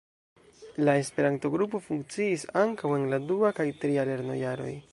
La Esperanto-grupo funkciis ankaŭ en la dua kaj tria lernojaroj.